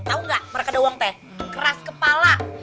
tau gak mereka doang teh keras kepala